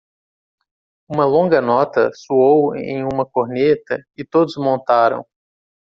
Uma longa nota soou em uma corneta? e todos montaram.